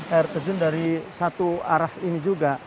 air terjun dari satu arah ini juga